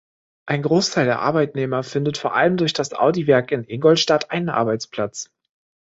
Ein Großteil der Arbeitnehmer findet vor allem durch das Audi-Werk in Ingolstadt einen Arbeitsplatz.